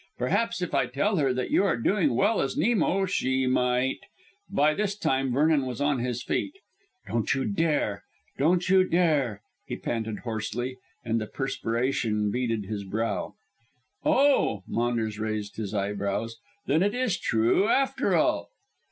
Perhaps if I tell her that you are doing well as Nemo, she might " By this time Vernon was on his feet. "Don't you dare, don't you dare!" he panted hoarsely, and the perspiration beaded his brow. "Oh!" Maunders raised his eyebrows. "Then it is true, after all."